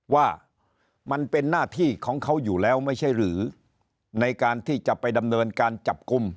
ว่ามันเป็นหน้าที่ของเขาอยู่แล้วไม่ใช่หรือในการที่จะไปดำเนินการจับกลุ่ม